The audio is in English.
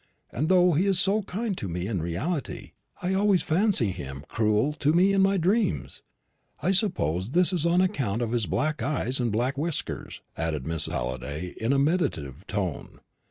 and though he is so kind to me in reality, I always fancy him cruel to me in my dreams. I suppose it is on account of his black eyes and black whiskers," added Miss Halliday, in a meditative tone.